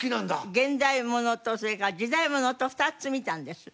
現代物とそれから時代物と２つ見たんです。